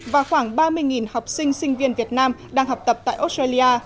và khoảng ba mươi học sinh sinh viên việt nam đang học tập tại australia